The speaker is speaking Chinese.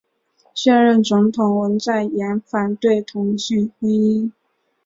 现任总统文在寅反对同性婚姻。